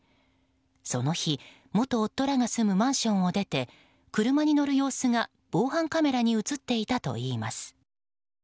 その日元夫らが住むマンションを出て車に乗る様子が防犯カメラに映っていたといいます。